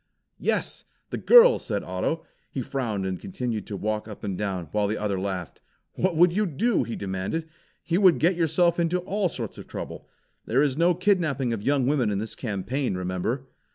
"Yes! The girl!" said Otto. He frowned and continued to walk up and down, while the other laughed. "What would you?" he demanded. "You would get yourself into all sorts of trouble. There is no kidnapping of young women in this campaign, remember!"